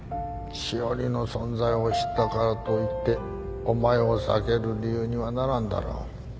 詩織の存在を知ったからといってお前を避ける理由にはならんだろ。